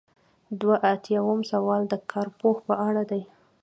دوه ایاتیام سوال د کارپوه په اړه دی.